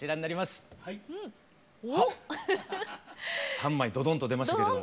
３枚ドドンと出ましたけども。